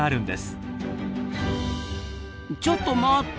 ちょっと待った！